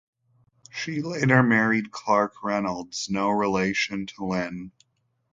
She later married Clark Reynolds (no relation to Lynn).